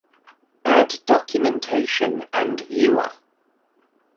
Add documentation and viewer